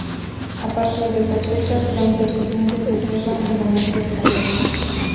A partir de estas fechas, la incertidumbre se ceba en la mente de Catalina.